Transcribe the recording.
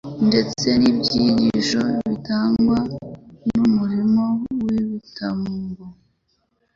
ndetse n'ibyigisho bitangwa n'umurimo w'ibitambo.